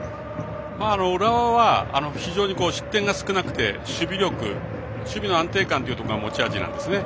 浦和は非常に失点が少なくて守備の安定感というのが持ち味なんですね。